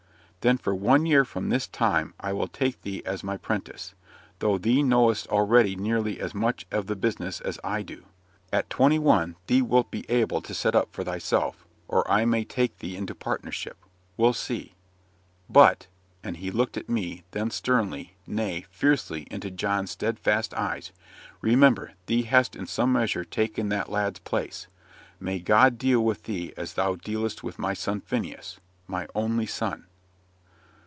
"Then, for one year from this time I will take thee as my 'prentice, though thee knowest already nearly as much of the business as I do. At twenty one thee wilt be able to set up for thyself, or I may take thee into partnership we'll see. But" and he looked at me, then sternly, nay, fiercely, into John's steadfast eyes "remember, thee hast in some measure taken that lad's place. May God deal with thee as thou dealest with my son Phineas my only son!"